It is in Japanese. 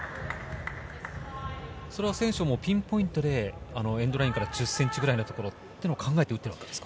選手はピンポイントでエンドラインから１０ｃｍくらいのところと考えて打っているんですか？